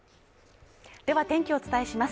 では天気をお伝えします